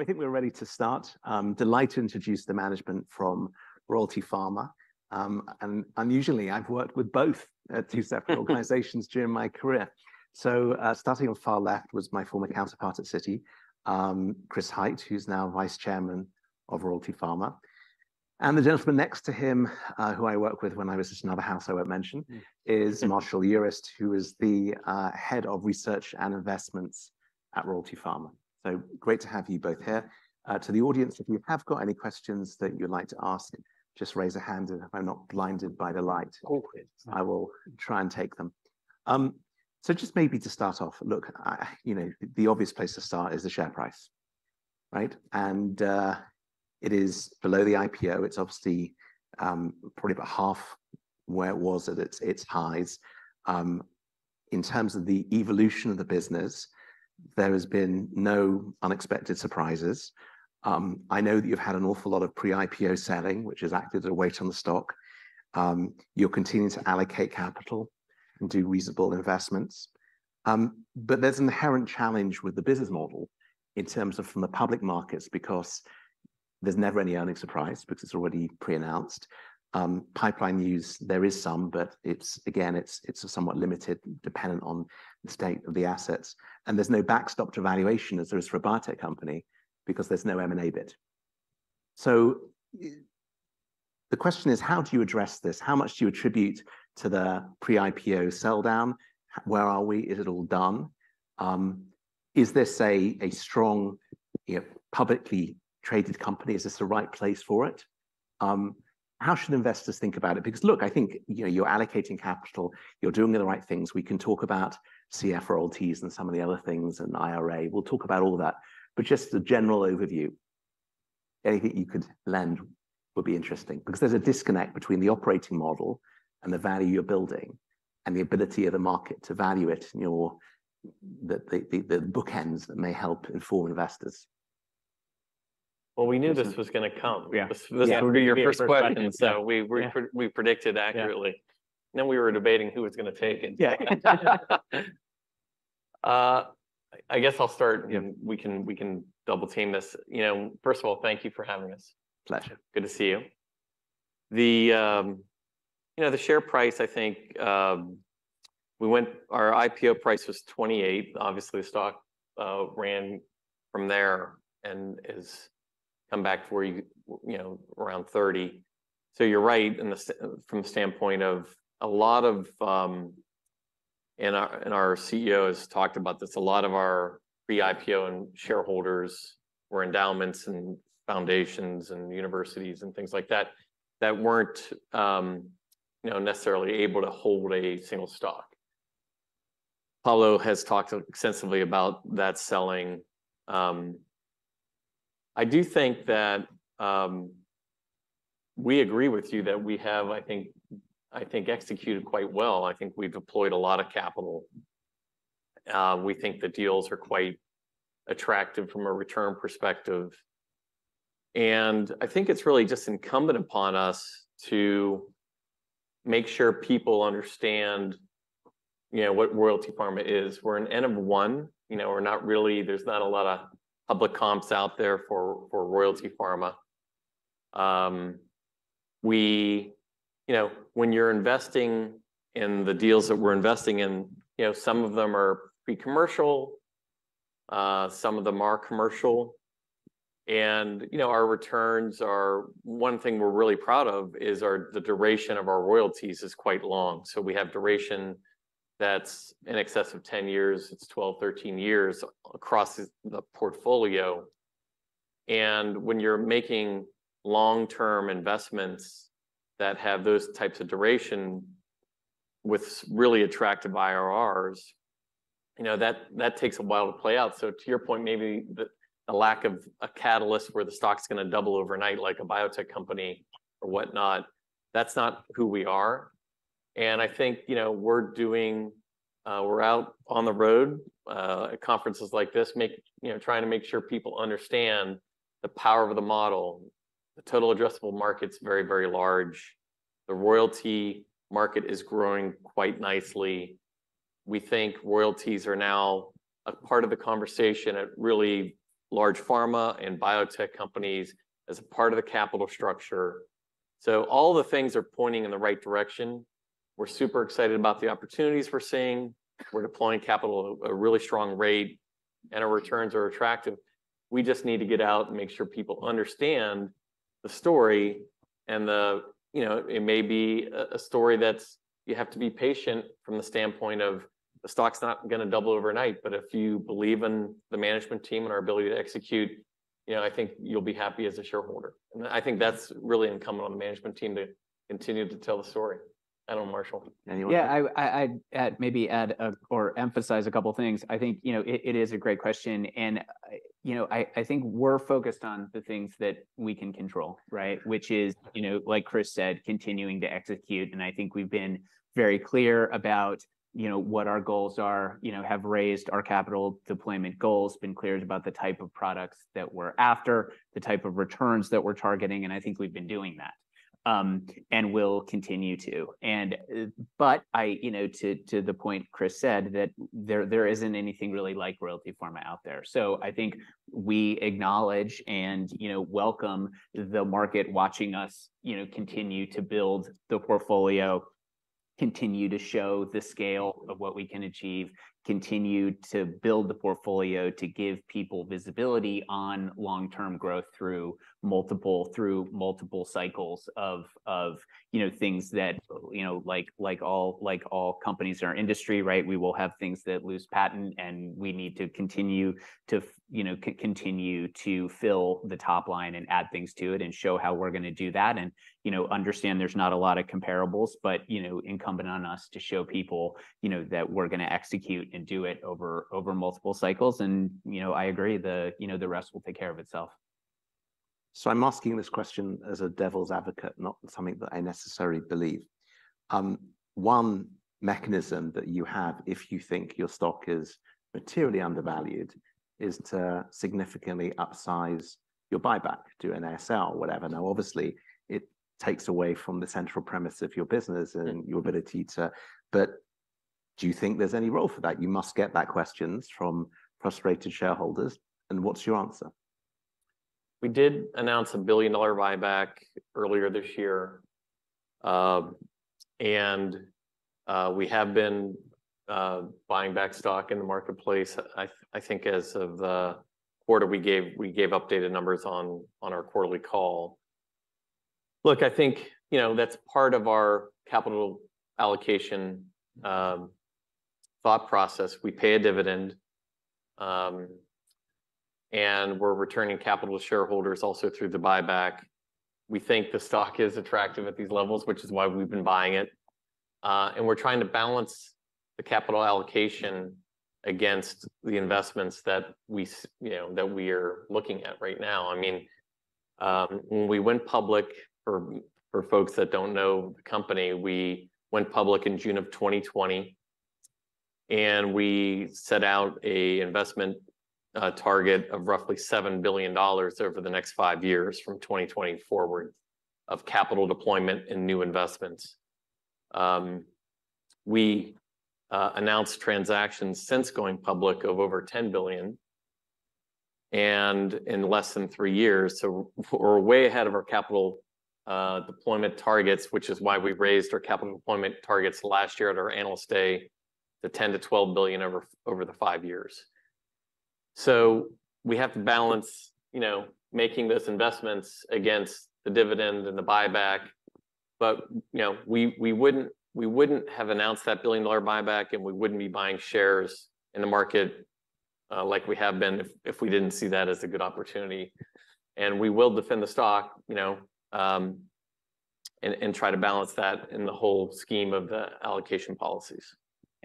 I think we're ready to start. Delighted to introduce the management from Royalty Pharma. Unusually, I've worked with both at two separate organizations during my career. Starting on the far left was my former counterpart at Citi, Chris Hite, who's now Vice Chairman of Royalty Pharma. The gentleman next to him, who I worked with when I was at another house I won't mention, is Marshall Urist, who is the Head of Research and Investments at Royalty Pharma. Great to have you both here. To the audience, if you have got any questions that you'd like to ask, just raise a hand, and if I'm not blinded by the light- All good I will try and take them. So just maybe to start off, look, I, you know, the obvious place to start is the share price, right? And it is below the IPO. It's obviously probably about half where it was at its highs. In terms of the evolution of the business, there has been no unexpected surprises. I know that you've had an awful lot of pre-IPO selling, which has acted as a weight on the stock. You're continuing to allocate capital and do reasonable investments. But there's an inherent challenge with the business model in terms of from the public markets, because there's never any earnings surprise, because it's already pre-announced. Pipeline news, there is some, but it's again somewhat limited, dependent on the state of the assets. And there's no backstop to valuation as there is for a biotech company because there's no M&A bid. So the question is: how do you address this? How much do you attribute to the pre-IPO sell-down? Where are we? Is it all done? Is this a strong, you know, publicly traded company? Is this the right place for it? How should investors think about it? Because, look, I think, you know, you're allocating capital, you're doing the right things. We can talk about CF royalties and some of the other things, and IRA. We'll talk about all that. But just as a general overview, anything you could lend would be interesting, because there's a disconnect between the operating model and the value you're building, and the ability of the market to value it, and the bookends that may help inform investors. Well, we knew this was gonna come. Yeah. This would be your first question. Yeah. We pre- Yeah We predicted accurately. Yeah. Then we were debating who was gonna take it. Yeah. I guess I'll start. Yeah. We can, we can double team this. You know, first of all, thank you for having us. Pleasure. Good to see you. You know, the share price, I think... We went—Our IPO price was $28. Obviously, the stock ran from there and has come back to you, you know, around $30. So you're right in the standpoint of a lot of... Our CEO has talked about this. A lot of our pre-IPO shareholders were endowments and foundations and universities and things like that, that weren't, you know, necessarily able to hold a single stock. Pablo has talked extensively about that selling. I do think that we agree with you that we have, I think, executed quite well. I think we've deployed a lot of capital. We think the deals are quite attractive from a return perspective. I think it's really just incumbent upon us to make sure people understand, you know, what Royalty Pharma is. We're an N of one. You know, we're not really— There's not a lot of public comps out there for Royalty Pharma. You know, when you're investing in the deals that we're investing in, you know, some of them are pre-commercial, some of them are commercial. And, you know, our returns are— One thing we're really proud of is our, the duration of our royalties is quite long. So we have duration that's in excess of 10 years. It's 12, 13 years across the portfolio. And when you're making long-term investments that have those types of duration with really attractive IRRs, you know, that takes a while to play out. So to your point, maybe the lack of a catalyst where the stock's gonna double overnight, like a biotech company or whatnot, that's not who we are. And I think, you know, we're doing. We're out on the road, at conferences like this, making, you know, trying to make sure people understand the power of the model. The total addressable market is very, very large. The royalty market is growing quite nicely. We think royalties are now a part of the conversation at really large pharma and biotech companies as a part of the capital structure. So all the things are pointing in the right direction. We're super excited about the opportunities we're seeing. We're deploying capital at a really strong rate, and our returns are attractive. We just need to get out and make sure people understand the story, and the. You know, it may be a, a story that's, you have to be patient from the standpoint of, the stock's not gonna double overnight, but if you believe in the management team and our ability to execute, you know, I think you'll be happy as a shareholder. I think that's really incumbent on the management team to continue to tell the story. I don't know, Marshall, anything. Yeah, I'd add or emphasize a couple of things. I think, you know, it is a great question, and, you know, I think we're focused on the things that we can control, right? Which is, you know, like Chris said, continuing to execute, and I think we've been very clear about, you know, what our goals are. You know, have raised our capital deployment goals, been clear about the type of products that we're after, the type of returns that we're targeting, and I think we've been doing that and will continue to. But you know, to the point Chris said, that there isn't anything really like Royalty Pharma out there. So I think we acknowledge and, you know, welcome the market watching us, you know, continue to build the portfolio. Continue to show the scale of what we can achieve, continue to build the portfolio to give people visibility on long-term growth through multiple cycles of, you know, things that, you know, like all companies in our industry, right? We will have things that lose patent, and we need to continue to, you know, continue to fill the top line and add things to it, and show how we're gonna do that. And, you know, I agree, the rest will take care of itself. So I'm asking this question as a devil's advocate, not something that I necessarily believe. One mechanism that you have if you think your stock is materially undervalued is to significantly upsize your buyback, do an ASR, whatever. Now, obviously, it takes away from the central premise of your business and your ability to... But do you think there's any role for that? You must get that question from frustrated shareholders, and what's your answer? We did announce a billion-dollar buyback earlier this year. We have been buying back stock in the marketplace. I think as of the quarter, we gave updated numbers on our quarterly call. Look, I think, you know, that's part of our capital allocation thought process. We pay a dividend, and we're returning capital to shareholders also through the buyback. We think the stock is attractive at these levels, which is why we've been buying it. And we're trying to balance the capital allocation against the investments that you know, that we are looking at right now. I mean, when we went public, for folks that don't know the company, we went public in June of 2020, and we set out a investment target of roughly $7 billion over the next five years, from 2020 forward, of capital deployment and new investments. We announced transactions since going public of over $10 billion, and in less than three years, so we're way ahead of our capital deployment targets, which is why we raised our capital deployment targets last year at our analyst day, to $10 billion-$12 billion over the five years. So we have to balance, you know, making those investments against the dividend and the buyback. But, you know, we wouldn't have announced that billion-dollar buyback and we wouldn't be buying shares in the market like we have been if we didn't see that as a good opportunity. And we will defend the stock, you know, and try to balance that in the whole scheme of the allocation policies.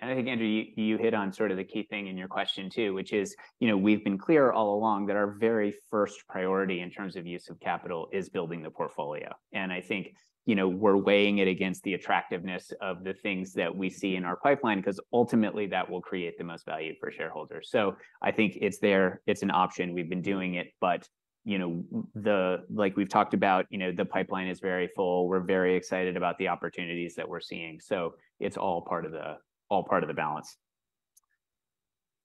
I think, Andrew, you hit on sort of the key thing in your question, too, which is, you know, we've been clear all along that our very first priority in terms of use of capital is building the portfolio. I think, you know, we're weighing it against the attractiveness of the things that we see in our pipeline, 'cause ultimately that will create the most value for shareholders. I think it's there, it's an option. We've been doing it. You know, like we've talked about, you know, the pipeline is very full. We're very excited about the opportunities that we're seeing, so it's all part of the, all part of the balance.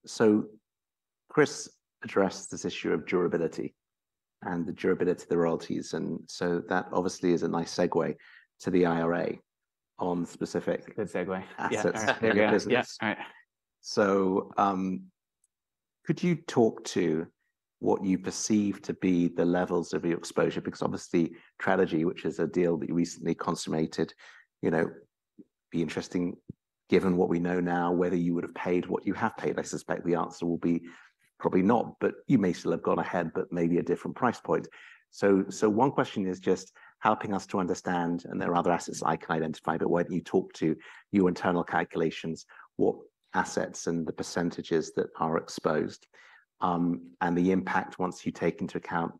So Chris addressed this issue of durability and the durability of the royalties, and so that obviously is a nice segue to the IRA on specific- Good segue. Assets. Yeah. Business. Yeah. Right. So, could you talk to what you perceive to be the levels of your exposure? Because obviously, Trelegy, which is a deal that you recently consummated, you know, be interesting, given what we know now, whether you would have paid what you have paid. I suspect the answer will be probably not, but you may still have gone ahead, but maybe a different price point. So, one question is just helping us to understand, and there are other assets I can identify, but why don't you talk to your internal calculations, what assets and the percentages that are exposed, and the impact once you take into account,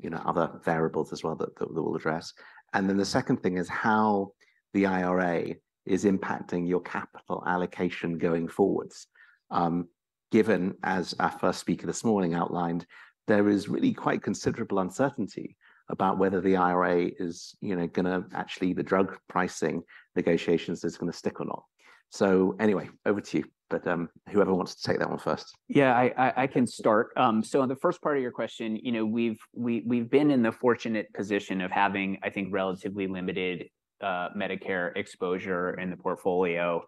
you know, other variables as well, that we'll address. And then the second thing is how the IRA is impacting your capital allocation going forwards. Given, as our first speaker this morning outlined, there is really quite considerable uncertainty about whether the IRA is, you know, gonna... actually, the drug pricing negotiations, is gonna stick or not. So anyway, over to you. But, whoever wants to take that one first. Yeah, I can start. So on the first part of your question, you know, we've been in the fortunate position of having, I think, relatively limited Medicare exposure in the portfolio.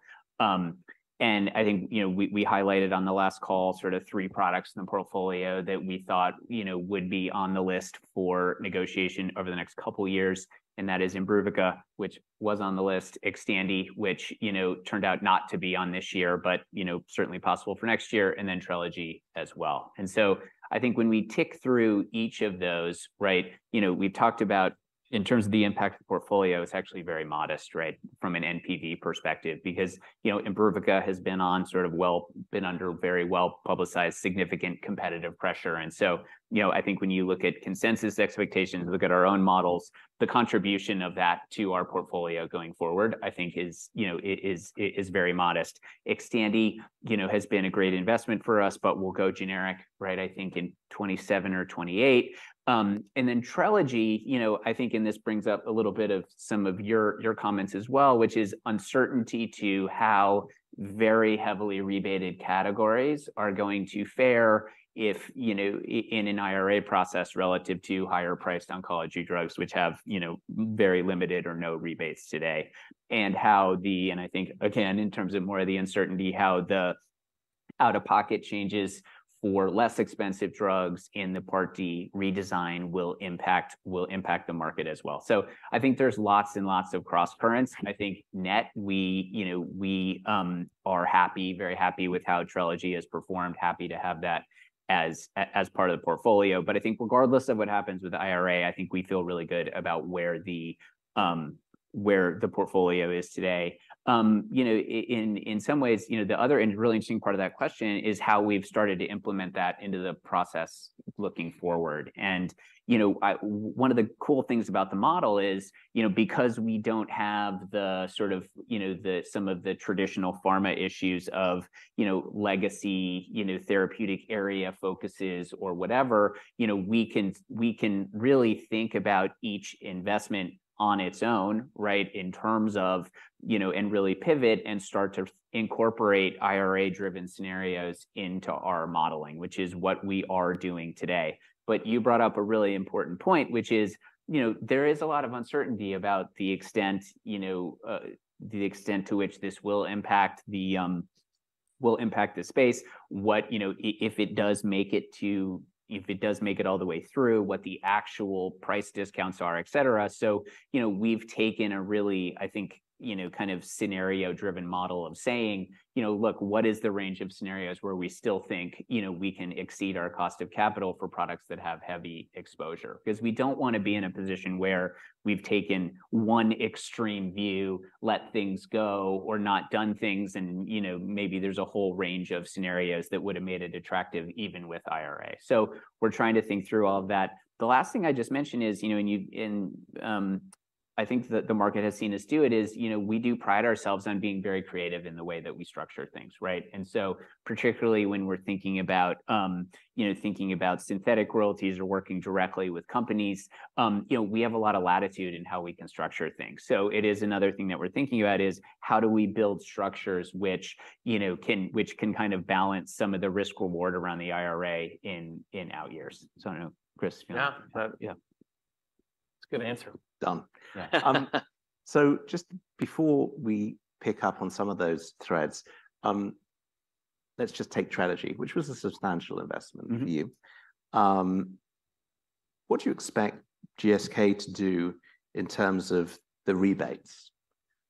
And I think, you know, we highlighted on the last call sort of three products in the portfolio that we thought, you know, would be on the list for negotiation over the next couple of years, and that is Imbruvica, which was on the list. Xtandi, which, you know, turned out not to be on this year, but, you know, certainly possible for next year. And then Trelegy as well. And so I think when we tick through each of those, right, you know, we've talked about in terms of the impact to the portfolio, it's actually very modest, right, from an NPV perspective. Because, you know, Imbruvica has been sort of well, been under very well-publicized, significant competitive pressure. And so, you know, I think when you look at consensus expectations, look at our own models, the contribution of that to our portfolio going forward, I think is, you know, it is, it is very modest. Xtandi, you know, has been a great investment for us, but will go generic, right, I think in 2027 or 2028. And then Trelegy, you know, I think and this brings up a little bit of some of your comments as well, which is uncertainty to how very heavily rebated categories are going to fare if, you know, in an IRA process relative to higher-priced oncology drugs, which have, you know, very limited or no rebates today. And how the... And I think, again, in terms of more of the uncertainty, how the-... Out-of-pocket changes for less expensive drugs in the Part D redesign will impact, will impact the market as well. So I think there's lots and lots of crosscurrents, and I think net, we, you know, we are happy, very happy with how Trelegy has performed, happy to have that as, as part of the portfolio. But I think regardless of what happens with the IRA, I think we feel really good about where the, where the portfolio is today. You know, in some ways, you know, the other really interesting part of that question is how we've started to implement that into the process looking forward. You know, one of the cool things about the model is, you know, because we don't have the sort of, you know, the, some of the traditional pharma issues of, you know, legacy, you know, therapeutic area focuses or whatever, you know, we can, we can really think about each investment on its own, right? In terms of, you know, and really pivot and start to incorporate IRA-driven scenarios into our modeling, which is what we are doing today. But you brought up a really important point, which is, you know, there is a lot of uncertainty about the extent, you know, the extent to which this will impact the, will impact the space. What, you know, if it does make it to... If it does make it all the way through, what the actual price discounts are, et cetera. So, you know, we've taken a really, I think, you know, kind of scenario-driven model of saying, you know, "Look, what is the range of scenarios where we still think, you know, we can exceed our cost of capital for products that have heavy exposure?" 'Cause we don't wanna be in a position where we've taken one extreme view, let things go, or not done things and, you know, maybe there's a whole range of scenarios that would have made it attractive even with IRA. So we're trying to think through all of that. The last thing I just mentioned is, you know, and you, and, I think that the market has seen us do it, is, you know, we do pride ourselves on being very creative in the way that we structure things, right? And so particularly when we're thinking about, you know, thinking about synthetic royalties or working directly with companies, you know, we have a lot of latitude in how we can structure things. So it is another thing that we're thinking about: How do we build structures which, you know, can which can kind of balance some of the risk/reward around the IRA in outyears? So I don't know, Chris, you know? Yeah. Yeah. It's a good answer. Done. So just before we pick up on some of those threads, let's just take Trelegy, which was a substantial investment for you. Mm-hmm. What do you expect GSK to do in terms of the rebates?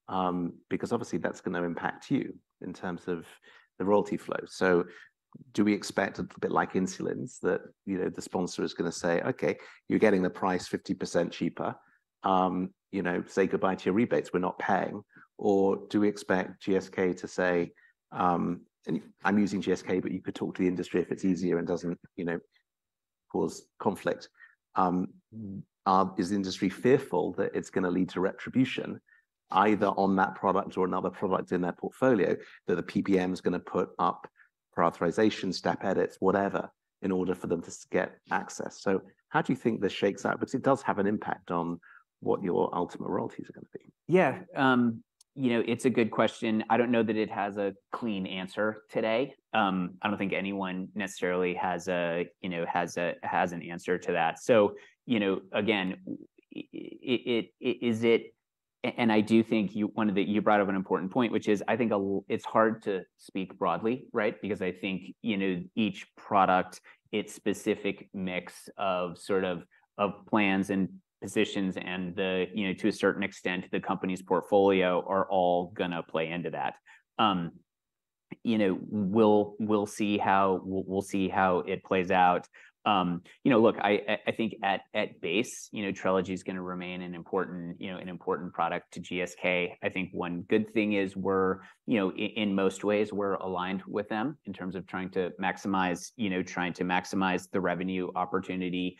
Because obviously, that's gonna impact you in terms of the royalty flow. So do we expect, a bit like insulins, that, you know, the sponsor is gonna say, "Okay, you're getting the price 50% cheaper, you know, say goodbye to your rebates, we're not paying"? Or do we expect GSK to say... And I'm using GSK, but you could talk to the industry if it's easier and doesn't, you know, cause conflict. Is the industry fearful that it's gonna lead to retribution, either on that product or another product in their portfolio, that the PBM is gonna put up prior authorization, step edits, whatever, in order for them to get access? So how do you think this shakes out? Because it does have an impact on what your ultimate royalties are gonna be. Yeah. You know, it's a good question. I don't know that it has a clean answer today. I don't think anyone necessarily has a, you know, has a, has an answer to that. So, you know, again, and I do think you brought up an important point, which is I think it's hard to speak broadly, right? Because I think, you know, each product, its specific mix of sort of, of plans and positions and the, you know, to a certain extent, the company's portfolio are all gonna play into that. You know, we'll see how it plays out. You know, look, I think at base, you know, Trelegy is gonna remain an important, you know, an important product to GSK. I think one good thing is we're, you know, in most ways, we're aligned with them in terms of trying to maximize, you know, trying to maximize the revenue opportunity,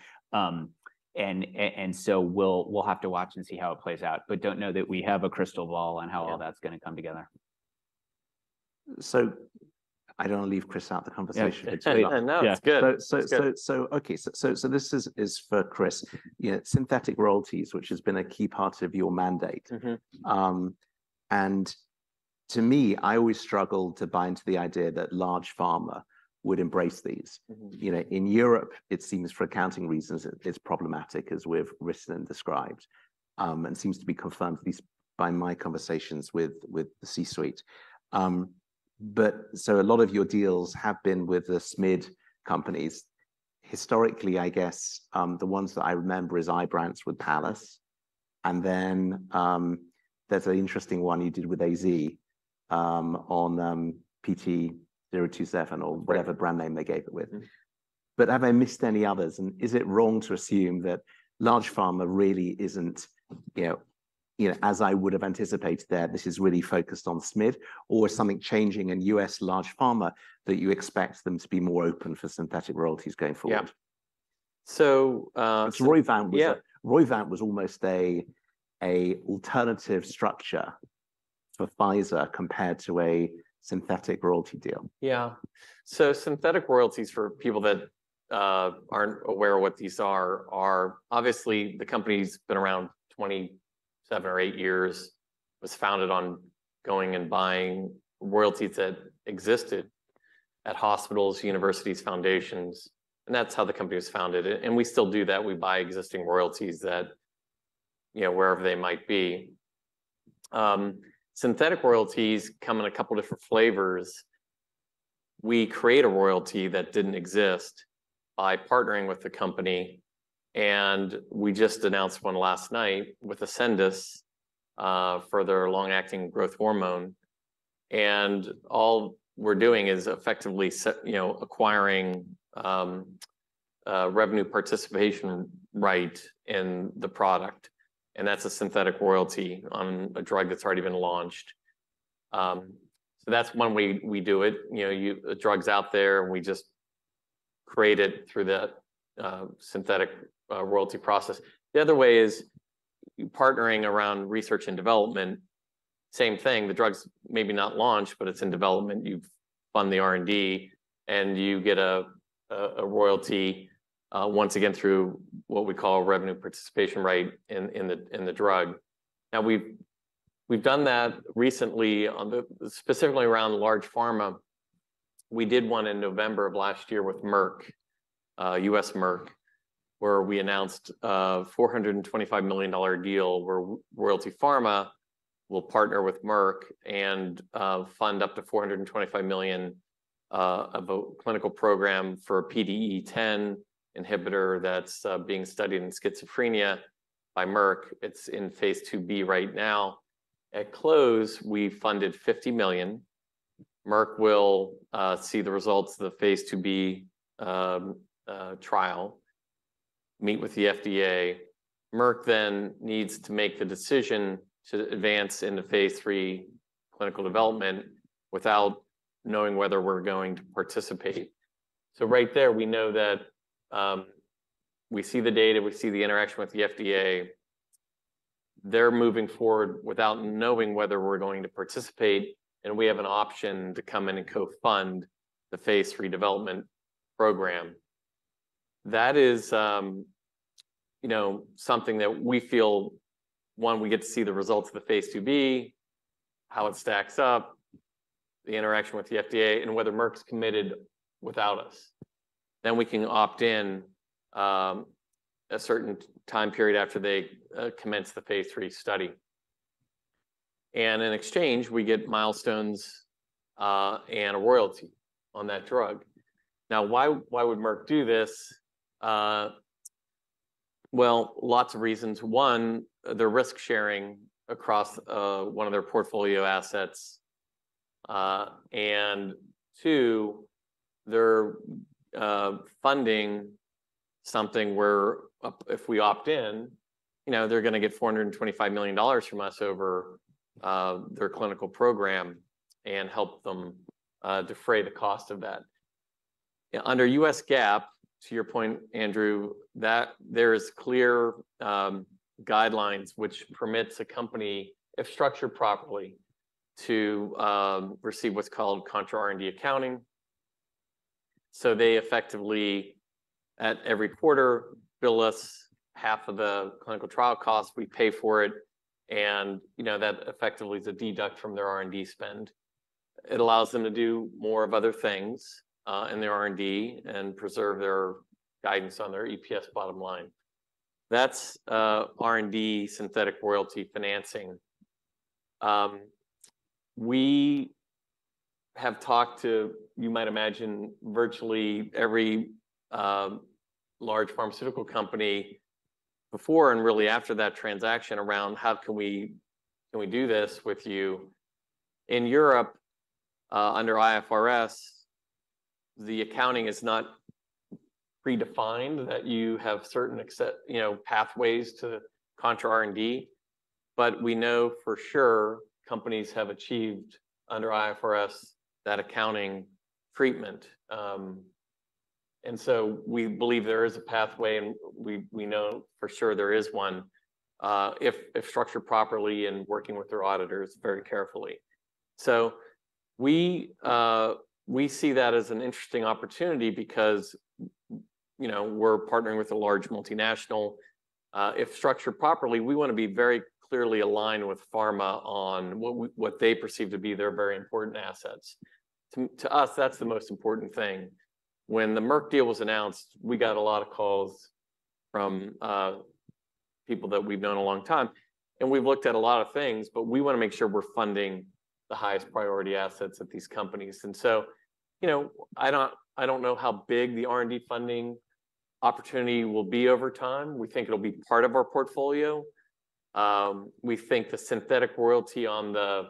and so we'll have to watch and see how it plays out, but don't know that we have a crystal ball on how- Yeah All that's gonna come together. So, I don't wanna leave Chris out the conversation. Yeah. Yeah, no, it's good. So, so- It's good Okay, this is for Chris. You know, synthetic royalties, which has been a key part of your mandate. Mm-hmm. To me, I always struggle to buy into the idea that large pharma would embrace these. Mm-hmm. You know, in Europe, it seems for accounting reasons, it's problematic, as we've written and described, and seems to be confirmed, at least by my conversations with the C-suite. But so a lot of your deals have been with the SMID companies. Historically, I guess, the ones that I remember is Ibrance with Paratek, and then, there's an interesting one you did with AZ, on, PT027 or- Right Whatever brand name they gave it with. Mm-hmm. But have I missed any others? And is it wrong to assume that large pharma really isn't, you know, you know, as I would have anticipated there, this is really focused on SMID, or is something changing in U.S. large pharma, that you expect them to be more open for synthetic royalties going forward? Yeah. So, 'Cause Roivant was a- Yeah. Roivant was almost an alternative structure for Pfizer compared to a synthetic royalty deal. Yeah. So synthetic royalties, for people that aren't aware of what these are, are obviously the company's been around 27 or eight years, was founded on going and buying royalties that existed at hospitals, universities, foundations, and that's how the company was founded. And we still do that. We buy existing royalties that, you know, wherever they might be. Synthetic royalties come in a couple different flavors. We create a royalty that didn't exist by partnering with the company, and we just announced one last night with Ascendis for their long-acting growth hormone. And all we're doing is effectively set, you know, acquiring a revenue participation right in the product, and that's a synthetic royalty on a drug that's already been launched. So that's one way we do it. You know, the drug's out there, and we just create it through the synthetic royalty process. The other way is partnering around research and development. Same thing, the drug's maybe not launched, but it's in development. You fund the R&D, and you get a royalty once again, through what we call a Revenue Participation Right in the drug. Now, we've done that recently, specifically around large pharma. We did one in November of last year with Merck, U.S. Merck, where we announced a $425 million deal, where Royalty Pharma will partner with Merck and fund up to $425 million of a clinical program for PDE10 inhibitor that's being studied in schizophrenia by Merck. It's in phase II-B right now. At close, we funded $50 million. Merck will see the results of the phase II-B trial, meet with the FDA. Merck then needs to make the decision to advance into phase III clinical development without knowing whether we're going to participate. So right there, we know that we see the data, we see the interaction with the FDA. They're moving forward without knowing whether we're going to participate, and we have an option to come in and co-fund the phase III development program. That is, you know, something that we feel, one, we get to see the results of the phase II-B, how it stacks up, the interaction with the FDA, and whether Merck's committed without us. Then we can opt in a certain time period after they commence the phase III study. And in exchange, we get milestones and a royalty on that drug. Now, why, why would Merck do this? Well, lots of reasons. One, they're risk sharing across one of their portfolio assets. And two, they're funding something where, if we opt in, you know, they're gonna get $425 million from us over their clinical program and help them defray the cost of that. Under U.S. GAAP, to your point, Andrew, that there's clear guidelines which permits a company, if structured properly, to receive what's called contra R&D accounting. So they effectively, at every quarter, bill us half of the clinical trial costs. We pay for it, and, you know, that effectively is a deduct from their R&D spend. It allows them to do more of other things in their R&D and preserve their guidance on their EPS bottom line. That's R&D synthetic royalty financing. We have talked to, you might imagine, virtually every large pharmaceutical company before and really after that transaction around how can we do this with you? In Europe, under IFRS, the accounting is not predefined, that you have certain exceptions, you know, pathways to contra R&D, but we know for sure companies have achieved, under IFRS, that accounting treatment. And so we believe there is a pathway, and we know for sure there is one, if structured properly and working with their auditors very carefully. So we see that as an interesting opportunity because, you know, we're partnering with a large multinational. If structured properly, we wanna be very clearly aligned with pharma on what they perceive to be their very important assets. To us, that's the most important thing. When the Merck deal was announced, we got a lot of calls from people that we've known a long time, and we've looked at a lot of things, but we wanna make sure we're funding the highest priority assets at these companies. So, you know, I don't know how big the R&D funding opportunity will be over time. We think it'll be part of our portfolio. We think the synthetic royalty on the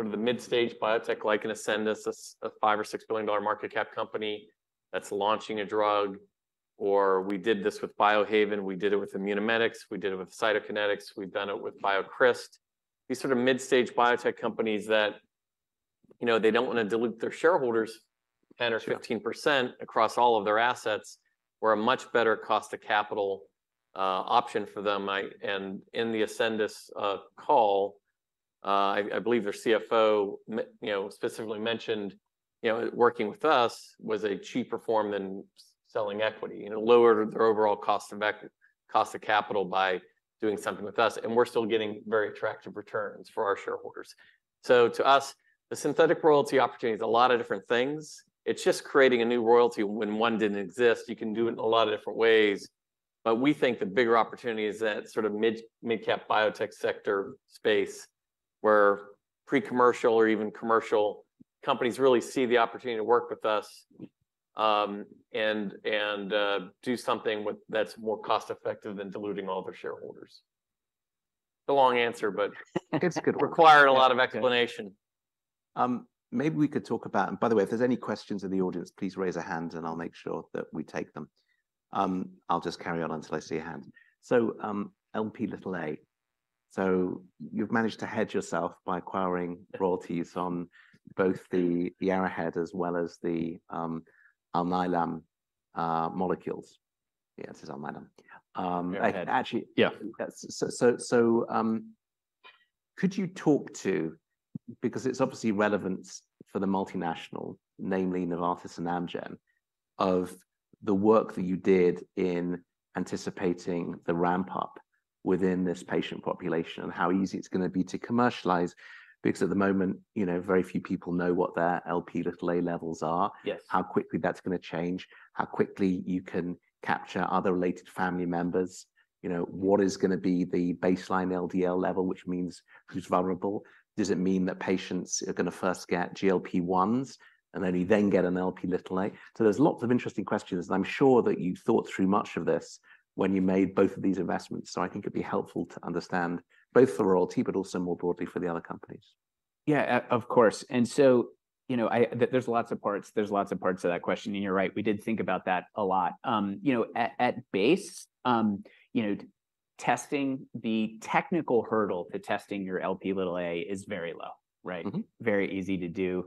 sort of the mid-stage biotech, like an Ascendis, a $5 billion-$6 billion market cap company that's launching a drug, or we did this with Biohaven, we did it with Immunomedics, we did it with Cytokinetics, we've done it with BioCryst. These sort of mid-stage biotech companies that, you know, they don't wanna dilute their shareholders 10% or 15% across all of their assets, we're a much better cost to capital option for them. And in the Ascendis call, I believe their CFO you know, specifically mentioned, you know, working with us was a cheaper form than selling equity. You know, lowered their overall cost of cost to capital by doing something with us, and we're still getting very attractive returns for our shareholders. So to us, the synthetic royalty opportunity is a lot of different things. It's just creating a new royalty when one didn't exist. You can do it in a lot of different ways. But we think the bigger opportunity is that sort of mid-cap biotech sector space, where pre-commercial or even commercial companies really see the opportunity to work with us, and do something that's more cost-effective than diluting all their shareholders. It's a long answer, but- It's a good one. Required a lot of explanation. Maybe we could talk about... And by the way, if there's any questions in the audience, please raise a hand, and I'll make sure that we take them. I'll just carry on until I see a hand. Lp(a), so you've managed to hedge yourself by acquiring royalties on both the Arrowhead as well as the Alnylam molecules. Yeah, this is Alnylam. Yeah. Um, actually- Yeah. Could you talk to, because it's obviously relevant for the multinational, namely Novartis and Amgen, of the work that you did in anticipating the ramp-up within this patient population, and how easy it's going to be to commercialize? Because at the moment, you know, very few people know what their Lp(a) levels are- Yes. how quickly that's going to change, how quickly you can capture other related family members. You know, what is going to be the baseline LDL level, which means who's vulnerable? Does it mean that patients are going to first get GLP-1s, and then you then get an Lp(a)? So there's lots of interesting questions, and I'm sure that you've thought through much of this when you made both of these investments. So I think it'd be helpful to understand both the royalty, but also more broadly for the other companies. Yeah, of course, and so, you know, There's lots of parts, there's lots of parts to that question, and you're right, we did think about that a lot. You know, at base, you know, testing the technical hurdle to testing your Lp(a) is very low, right? Mm-hmm. Very easy to do.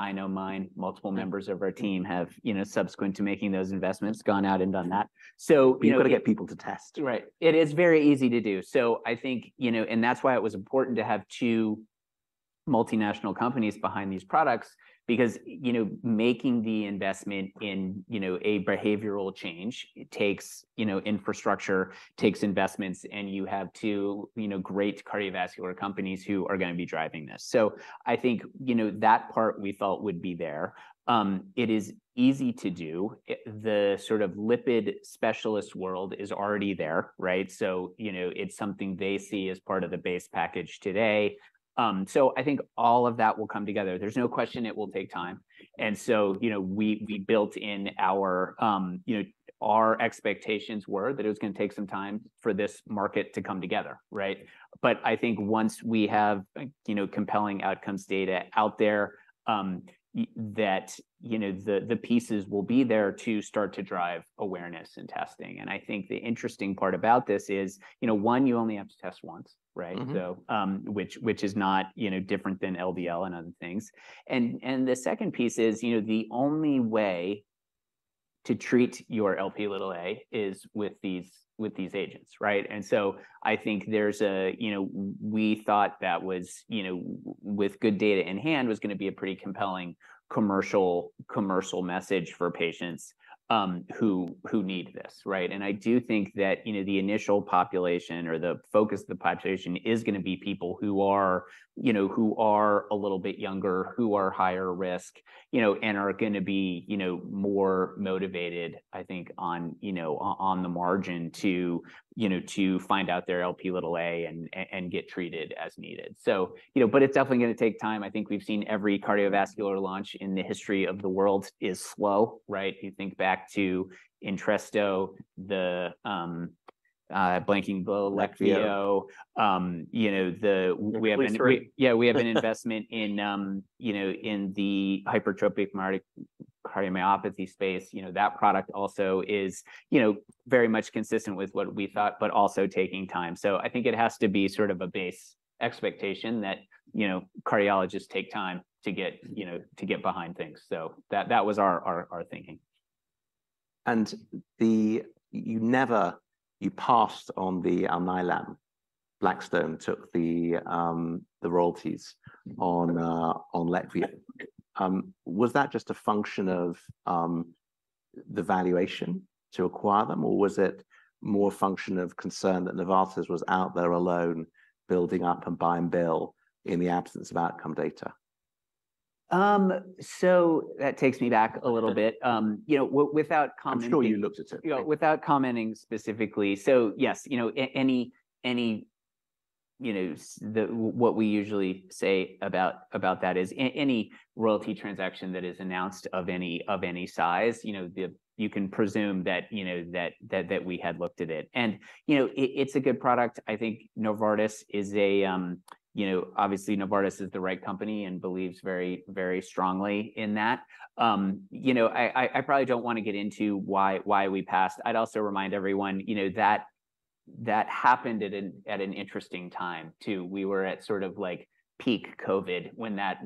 I know mine, multiple members of our team have, you know, subsequent to making those investments, gone out and done that. So, you know- You've got to get people to test. Right. It is very easy to do. So I think, you know, and that's why it was important to have two multinational companies behind these products because, you know, making the investment in, you know, a behavioral change, it takes, you know, infrastructure, takes investments, and you have two, you know, great cardiovascular companies who are going to be driving this. So I think, you know, that part we thought would be there. It is easy to do. The sort of lipid specialist world is already there, right? So, you know, it's something they see as part of the base package today. So I think all of that will come together. There's no question it will take time, and so, you know, we built in our, you know, our expectations were that it was going to take some time for this market to come together, right? But I think once we have, you know, compelling outcomes data out there, that, you know, the pieces will be there to start to drive awareness and testing. And I think the interesting part about this is, you know, one, you only have to test once, right? Mm-hmm. So, which is not, you know, different than LDL and other things. And the second piece is, you know, the only way to treat your Lp(a) is with these agents, right? And so I think there's a. You know, we thought that was, you know, with good data in hand, was going to be a pretty compelling commercial message for patients who need this, right? And I do think that, you know, the initial population or the focus of the population is going to be people who are, you know, who are a little bit younger, who are higher risk, you know, and are going to be, you know, more motivated, I think, on the margin to, you know, to find out their Lp(a) and get treated as needed. So, you know, but it's definitely going to take time. I think we've seen every cardiovascular launch in the history of the world is slow, right? You think back to Entresto, Leqvio. Leqvio. You know, the- Please... Yeah, we have an investment in, you know, in the hypertrophic cardiomyopathy space. You know, that product also is, you know, very much consistent with what we thought, but also taking time. So I think it has to be sort of a base expectation that, you know, cardiologists take time to get, you know, to get behind things. So that was our thinking. You never passed on the Alnylam. Blackstone took the royalties on Leqvio. Was that just a function of the valuation to acquire them, or was it more a function of concern that Novartis was out there alone, building up Buy and Bill in the absence of outcome data? That takes me back a little bit. Okay. You know, without commenting- I'm sure you looked at it. Yeah, without commenting specifically. So, yes, you know, any royalty transaction that is announced of any size, you know, you can presume that we had looked at it. And, you know, it's a good product. I think Novartis is obviously the right company and believes very, very strongly in that. You know, I probably don't want to get into why we passed. I'd also remind everyone, you know, that happened at an interesting time, too. We were at sort of like peak COVID when that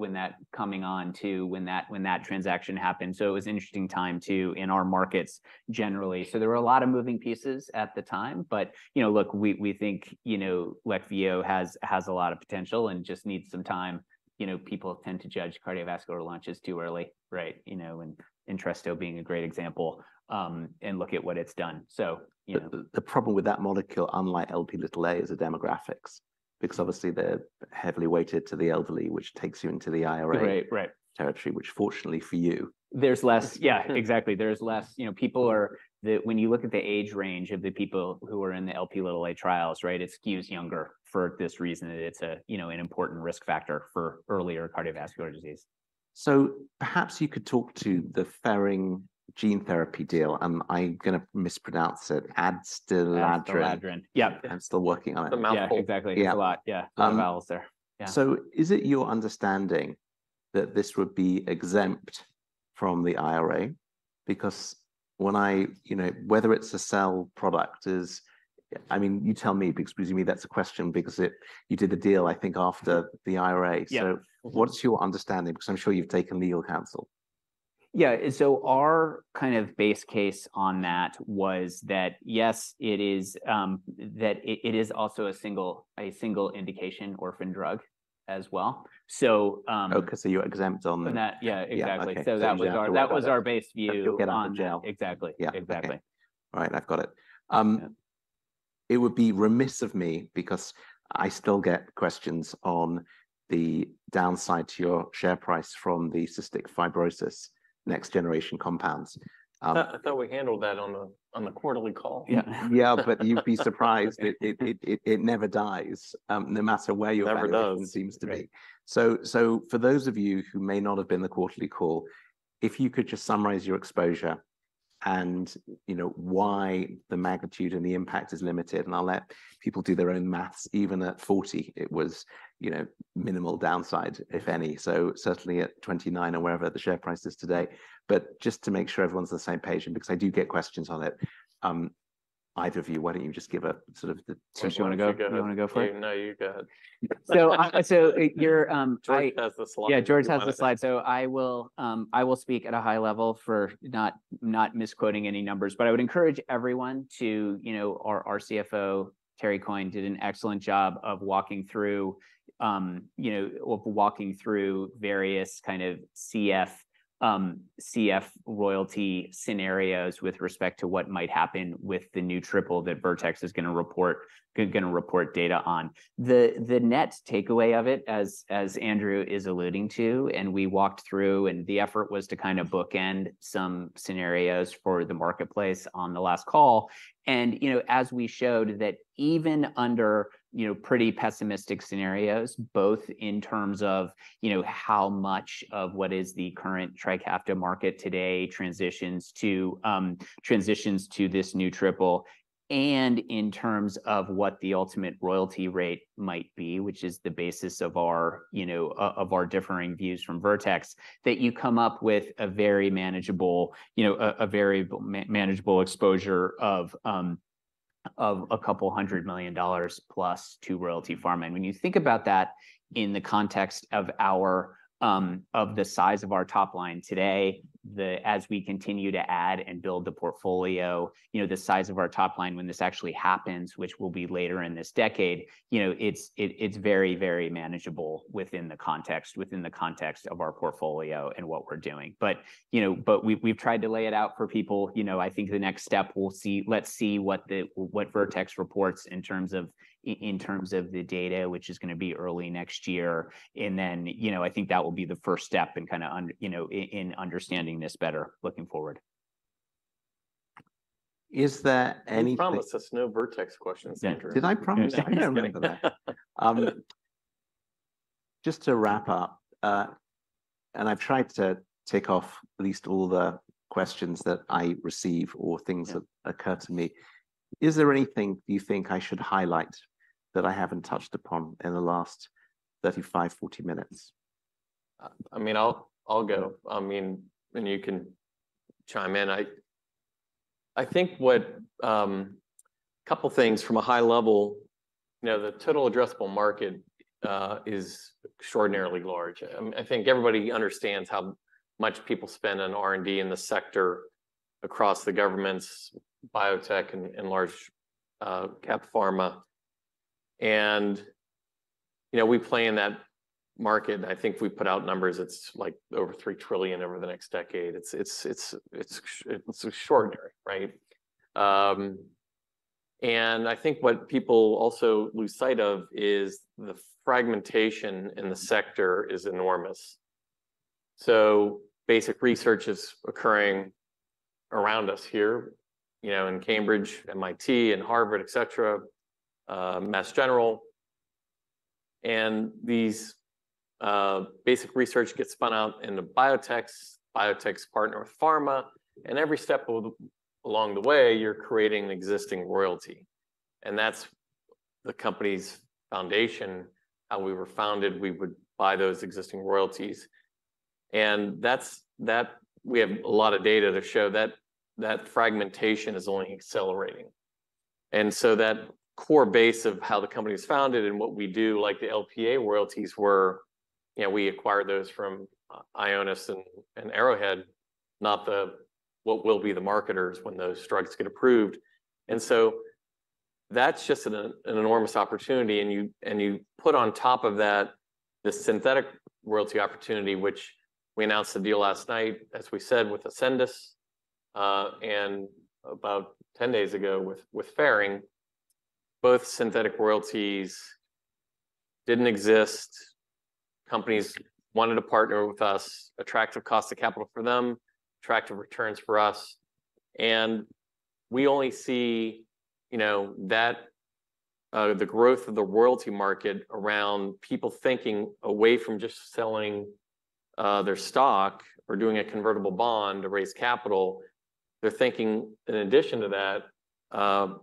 transaction happened. So it was an interesting time, too, in our markets generally. So there were a lot of moving pieces at the time, but, you know, look, we think, you know, Leqvio has a lot of potential and just needs some time. You know, people tend to judge cardiovascular launches too early, right? You know, and Entresto being a great example, and look at what it's done. So, you know- The problem with that molecule, unlike Lp(a), is the demographics, because obviously they're heavily weighted to the elderly, which takes you into the IRA- Right, right. Territory, which fortunately for you. There's less. Yeah, exactly. There's less, you know, people, when you look at the age range of the people who are in the Lp(a) trials, right, it skews younger for this reason. It's a, you know, an important risk factor for earlier cardiovascular disease. Perhaps you could talk to the Ferring gene therapy deal. I'm going to mispronounce it, Adstiladrin. Adstiladrin. Yep. I'm still working on it. The mouthful. Yeah, exactly. Yeah. It's a lot, yeah. Um- The vowels there. Yeah. Is it your understanding that this would be exempt? From the IRA, because when I, you know, whether it's a sell product is, I mean, you tell me, because usually me that's a question because it - you did the deal, I think, after the IRA. Yeah. What's your understanding? Because I'm sure you've taken legal counsel. Yeah. So our kind of base case on that was that yes, it is, that it, it is also a single, a single indication orphan drug as well. So, Okay, so you're exempt on the- On that, yeah, exactly. Yeah. Okay. So that was our base view- Appear to be jailbreak attempts Exactly. Yeah. Exactly. All right, I've got it. Yeah. It would be remiss of me because I still get questions on the downside to your share price from the cystic fibrosis next generation compounds. I thought we handled that on the quarterly call. Yeah. Yeah, but you'd be surprised. It never dies, no matter where you- Never does Seems to be. So for those of you who may not have been in the quarterly call, if you could just summarize your exposure, and you know, why the magnitude and the impact is limited, and I'll let people do their own math, even at 40, it was, you know, minimal downside, if any. So certainly at 29 or wherever the share price is today. But just to make sure everyone's on the same page, and because I do get questions on it, either of you, why don't you just give a sort of the, do you want to go, you want to go for it? No, you go ahead. So you're, I- George has the slide. Yeah, George has the slide. So I will, I will speak at a high level for not, not misquoting any numbers, but I would encourage everyone to, you know, our, our CFO, Terry Coyne, did an excellent job of walking through, you know, walking through various kind of CF, CF royalty scenarios with respect to what might happen with the new triple that Vertex is going to report, going to report data on. The, the net takeaway of it, as, as Andrew is alluding to, and we walked through, and the effort was to kind of bookend some scenarios for the marketplace on the last call. You know, as we showed that even under, you know, pretty pessimistic scenarios, both in terms of, you know, how much of what is the current Trikafta market today transitions to this new triple, and in terms of what the ultimate royalty rate might be, which is the basis of our, you know, of our differing views from Vertex, that you come up with a very manageable, you know, a very manageable exposure of a couple hundred million dollars plus to Royalty Pharma. And when you think about that in the context of our of the size of our top line today, as we continue to add and build the portfolio, you know, the size of our top line when this actually happens, which will be later in this decade, you know, it's very, very manageable within the context, within the context of our portfolio and what we're doing. But, you know, we've tried to lay it out for people. You know, I think the next step, we'll see what Vertex reports in terms of the data, which is going to be early next year. And then, you know, I think that will be the first step in kind of understanding this better looking forward. Is there any- You promised us no Vertex questions, Andrew. Did I promise? I don't remember that. Just to wrap up, and I've tried to tick off at least all the questions that I receive or things that- Yeah Occur to me. Is there anything you think I should highlight that I haven't touched upon in the last 35-40 minutes? I mean, I'll go. I mean, and you can chime in. I think what, a couple things from a high level, you know, the total addressable market is extraordinarily large. I think everybody understands how much people spend on R&D in the sector across the governments, biotech and large cap pharma. And, you know, we play in that market. I think we put out numbers, it's like over $3 trillion over the next decade. It's extraordinary, right? And I think what people also lose sight of is the fragmentation in the sector is enormous. So basic research is occurring around us here, you know, in Cambridge, MIT, and Harvard, et cetera, Mass General. These basic research gets spun out into biotechs, biotechs partner with pharma, and every step along the way, you're creating an existing royalty. And that's the company's foundation, how we were founded, we would buy those existing royalties. And that's, that we have a lot of data to show that that fragmentation is only accelerating. And so that core base of how the company was founded and what we do, like the Lp(a) royalties were, you know, we acquired those from Ionis and Arrowhead, not the, what will be the marketers when those drugs get approved. And so that's just an enormous opportunity, and you put on top of that, the synthetic royalty opportunity, which we announced the deal last night, as we said, with Ascendis, and about 10 days ago with Ferring. Both synthetic royalties didn't exist. Companies wanted to partner with us, attractive cost of capital for them, attractive returns for us. We only see, you know, that, the growth of the royalty market around people thinking away from just selling their stock or doing a convertible bond to raise capital, they're thinking in addition to that,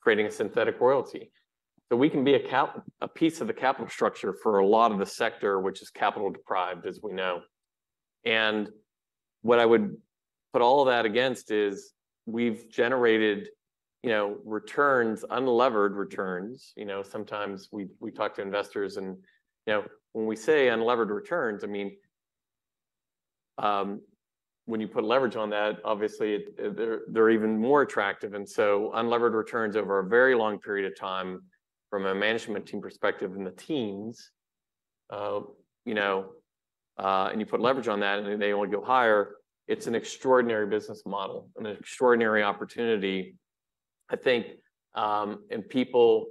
creating a synthetic royalty. So we can be a piece of the capital structure for a lot of the sector, which is capital deprived, as we know. What I would put all of that against is, we've generated, you know, returns, unlevered returns. You know, sometimes we talk to investors and, you know, when we say unlevered returns, I mean, when you put leverage on that, obviously, they're even more attractive. Unlevered returns over a very long period of time from a management team perspective in the teens, you know, and you put leverage on that, and they only go higher. It's an extraordinary business model and an extraordinary opportunity, I think. And people,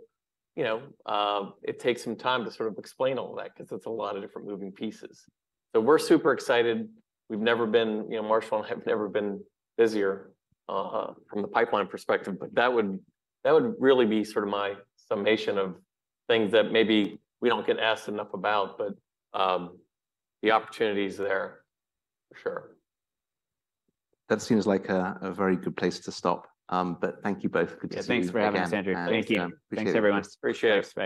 you know, it takes some time to sort of explain all of that because it's a lot of different moving pieces. We're super excited. We've never been, you know, Marshall and I have never been busier from the pipeline perspective, but that would really be sort of my summation of things that maybe we don't get asked enough about, but the opportunity is there for sure. That seems like a very good place to stop. But thank you both for- Yeah, thanks for having us, Andrew. Thank you. Thanks, everyone. Appreciate it. Thanks, bye.